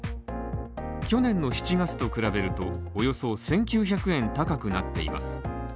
去年の７月と比べるとおよそ１９００円高くなっています。